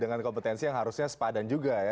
dengan kompetensi yang harusnya sepadan juga ya